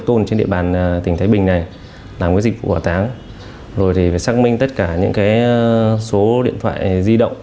thái bình này làm cái dịch vụ hỏa táng rồi thì phải xác minh tất cả những cái số điện thoại di động